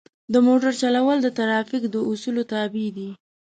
د موټر چلول د ترافیک د اصولو تابع دي.